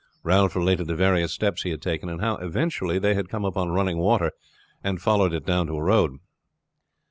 Ralph related the various steps he had taken, and how, eventually, they had come upon running water and followed it down to a road.